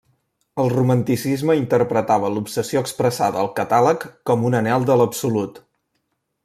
El romanticisme interpretava l'obsessió expressada al catàleg com un anhel de l'absolut.